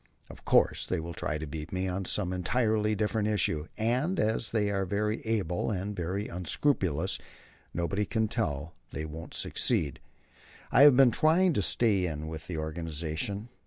Of course they will try to beat me on some entirely different issue, and, as they are very able and very unscrupulous, nobody can tell that they won't succeed. ... I have been trying to stay in with the organization.